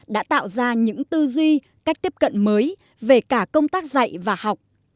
đã tạo ra những tư duy cách tiếp cận mới về cả công tác dạy và học